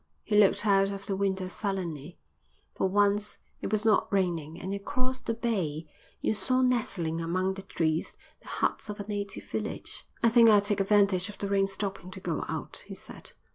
He looked out of the window sullenly. For once it was not raining and across the bay you saw nestling among the trees the huts of a native village. "I think I'll take advantage of the rain stopping to go out," he said.